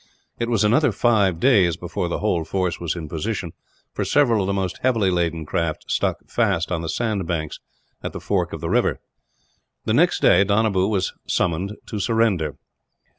It was another five days before the whole force was in position, for several of the most heavily laden craft stuck fast on the sandbanks at the fork of the river. The next day Donabew was summoned to surrender.